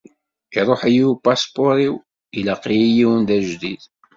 Iruḥ-iyi upaspuṛ-iw. Ilaq-iyi yiwen d ajdid.